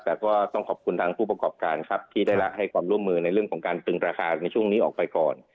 แต่ก็ต้องขอบคุณทางผู้ประกอบการครับที่ได้ละให้ความร่วมมือในเรื่องของการตึงราคาในช่วงนี้ออกไปก่อน